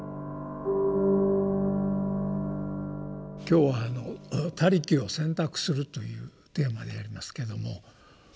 今日は「他力を選択する」というテーマでありますけども。